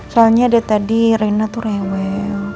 soalnya dia tadi rena tuh rewel